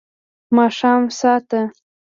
ماښام ساه ته